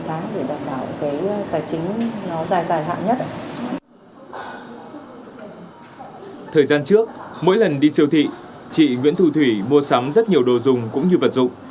thời gian trước mỗi lần đi siêu thị chị nguyễn thu thủy mua sắm rất nhiều đồ dùng cũng như vật dụng